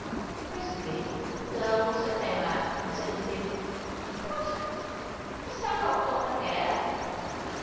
Presently the girl also came out and said to him, " What ! hast thou not got the hare